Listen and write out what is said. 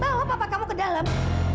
bawa papa kamu ke dalam